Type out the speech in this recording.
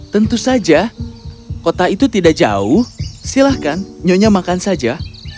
tentu saja kota itu tidak jauh silahkan nyonya makan saja